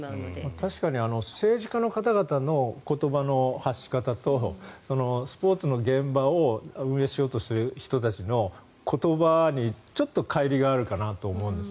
確かに政治家の方々の言葉の発し方とスポーツの現場を運営しようとしている人たちの言葉に、ちょっとかい離があるかなと思うんです。